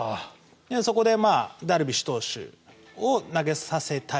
そこでダルビッシュ投手を投げさせたい。